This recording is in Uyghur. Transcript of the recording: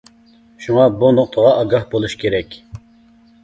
شۇڭا بۇ نۇقتىغا ئاگاھ بولۇش كېرەك.